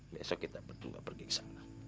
besok kita berdua pergi ke sana